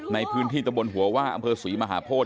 ในพื้นที่ตะบลหัวว่าอำเภอสุยมหาพ่น